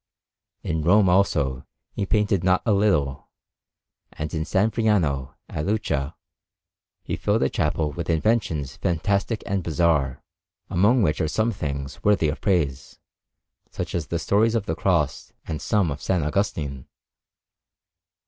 In Rome, also, he painted not a little; and in S. Friano, at Lucca, he filled a chapel with inventions fantastic and bizarre, among which are some things worthy of praise, such as the stories of the Cross and some of S. Augustine.